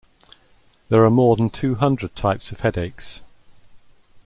There are more than two hundred types of headaches.